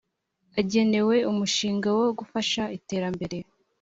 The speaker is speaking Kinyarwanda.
agenewe Umushinga wo gufasha Iterambere